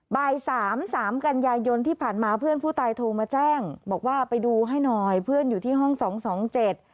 บ่ายสามสามกันยายนที่ผ่านมาเพื่อนผู้ตายโทรมาแจ้งบอกว่าไปดูให้หน่อยเพื่อนอยู่ที่ห้องสองสองเจ็ด